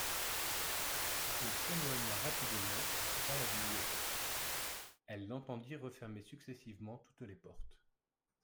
Il s'éloigna rapidement et quitta la bibliothèque ; elle l'entendit refermer successivement toutes les portes.